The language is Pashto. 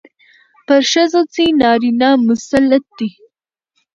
پر ښځو چې نارينه مسلط دي،